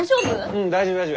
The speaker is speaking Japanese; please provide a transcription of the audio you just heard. うん大丈夫大丈夫。